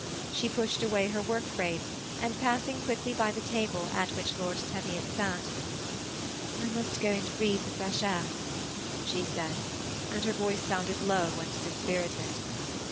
She pushed away her work frame, and passing quickly by the table at which Lord Teviot sat —*'^ I must go and breathe the fresh air," she said, and her voice sounded low and dispirited.